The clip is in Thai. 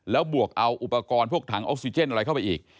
แล้วบวกเอาอุปกรณ์พวกถังออกซิเจนอะไรเข้าไปอีก